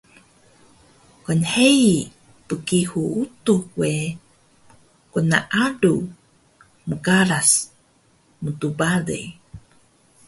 Gnhei Bgihur Utux we gnaalu, mqaras, mtbale